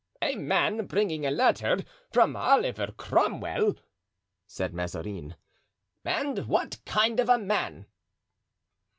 "A man bringing a letter from Oliver Cromwell?" said Mazarin. "And what kind of a man?"